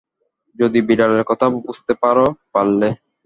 যদি বিড়ালের কথা বুঝতে পার-পারলে।